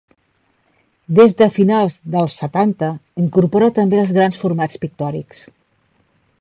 Des de finals dels setanta, incorpora també els grans formats pictòrics.